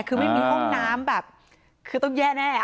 คือไม่มีห้องน้ำแบบคือต้องแย่แน่